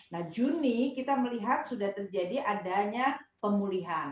nah juni kita melihat sudah terjadi adanya pemulihan